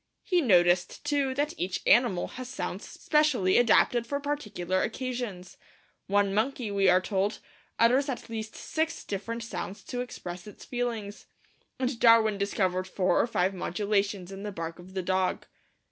He noticed, too, that each animal has sounds specially adapted for particular occasions. One monkey, we are told, utters at least six different sounds to express its feelings; and Darwin discovered four or five modulations in the bark of the dog.